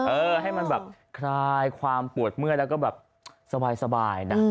เออให้มันแบบคลายความปวดเมื่อยแล้วก็แบบสบายนะ